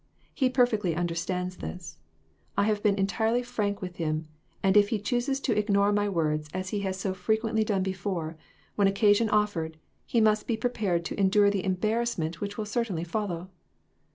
He perfectly understands this ; I have been entirely frank with him, and if he chooses to ignore my words as he has so frequently done before, when occasion offered, he must be prepared to endure the embar rassment which will certainly follow.